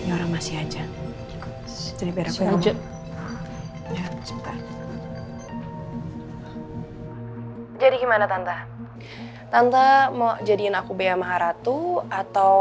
orang masih aja jadi beres aja jadi gimana tanta tanta mau jadiin aku bea maharatu atau